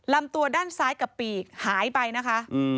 ลำตัวด้านซ้ายกับปีกหายไปนะคะ